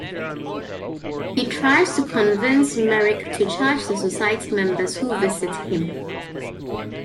He tries to convince Merrick to charge the society members who visit him.